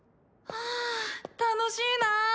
はぁ楽しいなぁ。